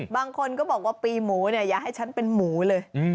บางคนก็บอกว่าปีหมูเนี่ยอย่าให้ฉันเป็นหมูเลย